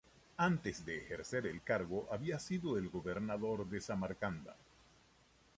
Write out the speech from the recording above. Antes de ejercer el cargo había sido el gobernador de Samarcanda.